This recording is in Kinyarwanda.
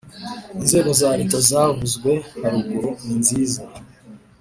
inzego za Leta zavuzwe haruguru ninziza